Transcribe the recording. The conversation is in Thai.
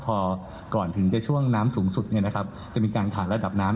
พอก่อนถึงจะช่วงน้ำสูงสุดจะมีการขาดระดับน้ำ